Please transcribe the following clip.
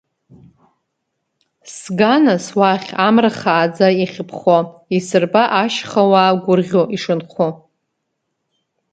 Сга, нас, уахь, амра хааӡа иахьыԥхо, исырба ашьха уаа гәырӷьо ишынхо.